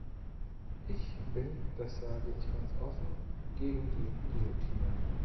Ich bin das sage ich ganz offen gegen die Guillotine.